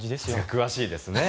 詳しいですよね。